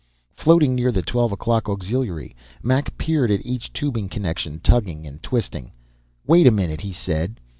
Floating near the twelve o'clock auxiliary, Mac peered at each tubing connection, tugging and twisting. "Wait a minute," he said.